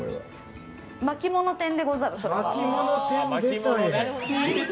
巻き物天でござる。